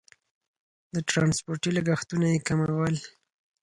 د ټرانسپورتي لګښتونه یې کمول.